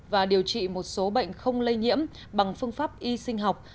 và điều trị một số bệnh không lây nhiễm bằng phương pháp y sinh học